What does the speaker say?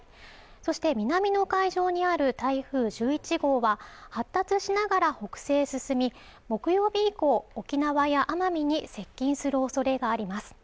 そして南の海上にある台風１１号は発達しながら北西へ進み木曜日以降沖縄や奄美に接近するおそれがあります